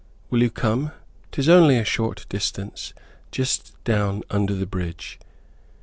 Will you come? 'Tis only a short distance, just down under the bridge."